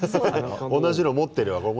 同じの持ってるよ。